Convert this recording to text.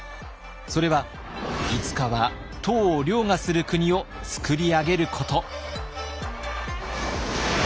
それはいつかは唐を凌駕する国をつくり上げること。